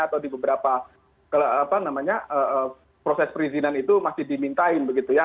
atau di beberapa proses perizinan itu masih dimintain begitu ya